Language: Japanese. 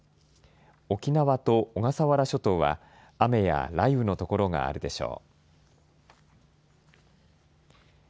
沖縄と小笠原諸島は雨や雷雨の所があるでしょう。